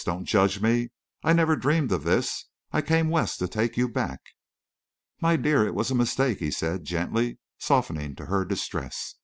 Don't judge me.... I never dreamed of this. I came West to take you back." "My dear, it was a mistake," he said, gently, softening to her distress.